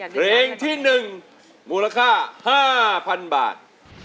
เพลงที่๑มูลค่า๕๐๐๐บาท